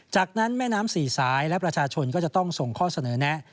จากนั้นแม่น้ำสี่สายและประชาชนก็จะต้องส่งข้อเสนอแนะ